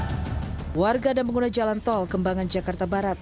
ferry sarifudin enam puluh lima tahun warga kampung pondok benda jati asi bekasi jawa barat